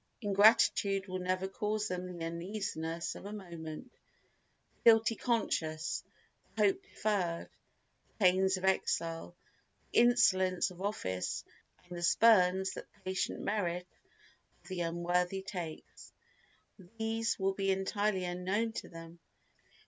Ingratitude will never cause them the uneasiness of a moment. The guilty conscience, the hope deferred, the pains of exile, the insolence of office and the spurns that patient merit of the unworthy takes—these will be entirely unknown to them.